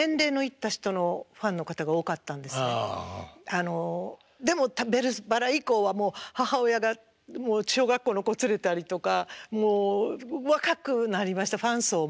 あのでも「ベルばら」以降はもう母親がもう小学校の子連れたりとかもう若くなりましたファン層も。